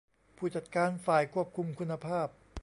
ผู้จัดการฝ่ายควบคุมคุณภาพ